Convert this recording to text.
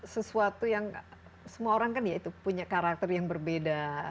sesuatu yang semua orang kan ya itu punya karakter yang berbeda